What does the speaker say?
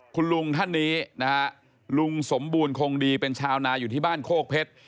คุณลุงท่านนี้นะฮะลุงสมบูรณ์คงดีเป็นชาวนาอยู่ที่บ้านโคกเพชร